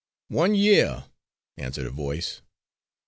"One year," answered a voice.